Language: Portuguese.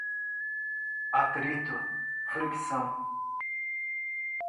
adiabata, adiabática, ampère, amperímetro, ânion, ano-luz, aproximação, eletromotriz, atrito, fricção